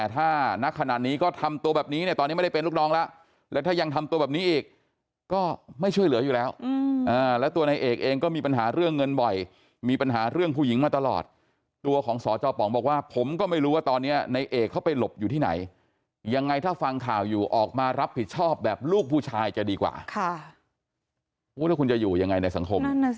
ถ้านักขนาดนี้ก็ทำตัวแบบนี้เนี่ยตอนนี้ไม่ได้เป็นลูกน้องแล้วแล้วถ้ายังทำตัวแบบนี้อีกก็ไม่ช่วยเหลืออยู่แล้วแล้วตัวนายเอกเองก็มีปัญหาเรื่องเงินบ่อยมีปัญหาเรื่องผู้หญิงมาตลอดตัวของสจป๋องบอกว่าผมก็ไม่รู้ว่าตอนนี้ในเอกเขาไปหลบอยู่ที่ไหนยังไงถ้าฟังข่าวอยู่ออกมารับผิดชอบแบบลูกผู้ชายจะดีกว่าถ้าคุณจะอยู่ยังไงในสังคม